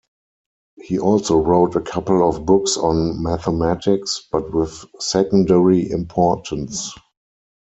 He also wrote a couple of books on mathematics, but with secondary importance.